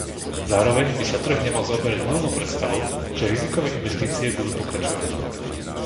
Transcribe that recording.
Zároveň by sa trh nemal zaoberať mylnou predstavou, že rizikové investície budú pokračovať.